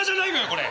これ。